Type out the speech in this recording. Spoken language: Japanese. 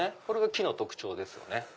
これが木の特徴ですよね。